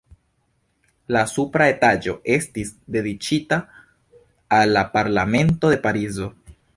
La supra etaĝo estis dediĉita al la Parlamento de Parizo.